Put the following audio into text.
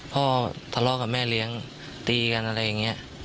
พ่อทะเลาะกับแม่เลี้ยงตีกันอะไรอย่างนี้